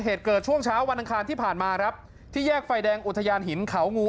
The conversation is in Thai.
เหตุเกิดช่วงเช้าวันอังคารที่ผ่านมาครับที่แยกไฟแดงอุทยานหินเขางู